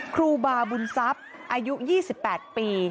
ครูบาบุญทรัพย์อายุ๒๘ปี